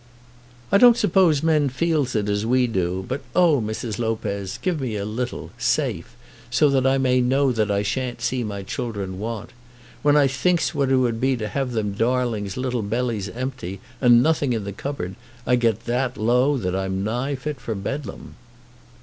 "I don't suppose men feels it as we do; but, oh, Mrs. Lopez, give me a little, safe, so that I may know that I shan't see my children want. When I thinks what it would be to have them darlings' little bellies empty, and nothing in the cupboard, I get that low that I'm nigh fit for Bedlam."